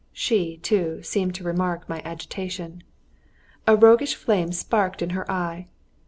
She, too, seemed to remark my agitation. A roguish flame sparkled in her eye.